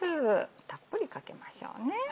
たっぷりかけましょうね。